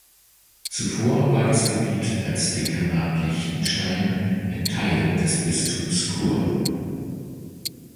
Zuvor war das Gebiet als Dekanat Liechtenstein ein Teil des Bistums Chur.